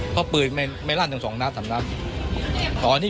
พอปืนไม่ไม่ลั่นกันสองนาทถามน้ำเนี้ย